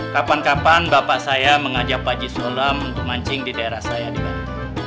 kapan kapan bapak saya mengajak pak jisolam untuk mancing di daerah saya di bali